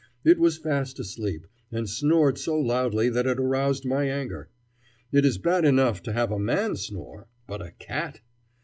It was fast asleep, and snored so loudly that it aroused my anger. It is bad enough to have a man snore, but a cat